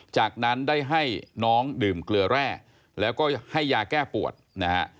จากนั้นได้ให้น้องดื่มเกลือแร่แล้วก็ให้ยาแก้ปวดนะฮะ